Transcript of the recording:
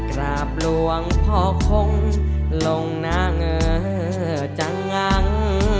กราบหลวงพ่อคงลงหน้าเงอจังงัง